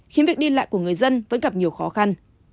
khiến việc đi lại của người dân vẫn gặp nhiều khó khăn